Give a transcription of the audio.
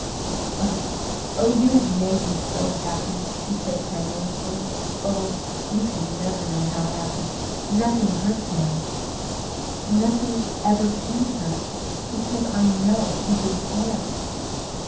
"Oh, you have made me so happy!" she said tremulously. "Oh, you can never know how happy! Nothing hurts now nothing ever can hurt, because I know he did care."